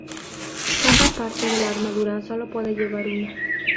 Cada parte de la armadura sólo puede llevar una.